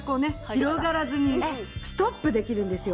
広がらずにストップできるんですよ。